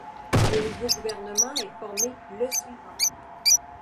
Le nouveau gouvernement est formé le suivant.